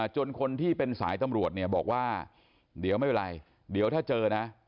จนคนที่เป็นสายตำรวจเนี่ยบอกว่าเดี๋ยวไม่เป็นไรเดี๋ยวถ้าเจอนะ